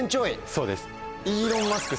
そうです。